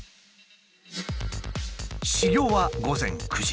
始業は午前９時。